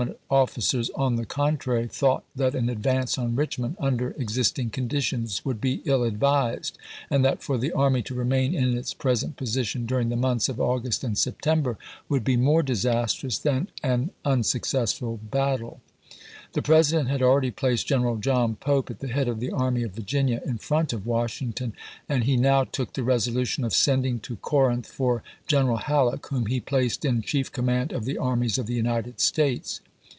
Many of his prominent officers, on the contrary, thought that an advance on Richmond under exist ing conditions would be ill advised, and that for the army to remain in its present position during the months of August and September would be hakrison's landing 455 more disastrous than au unsuccessful battle. The ch. xxrv. President had already placed General John Pope at the head of the Army of Virginia, in front of Washington, and he now took the resolution of sending to Corinth for General Halleck, whom he placed in chief command of the armies of the United States.